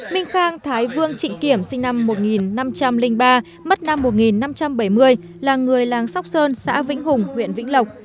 minh khang thái vương trịnh kiểm sinh năm một nghìn năm trăm linh ba mất năm một nghìn năm trăm bảy mươi là người làng sóc sơn xã vĩnh hùng huyện vĩnh lộc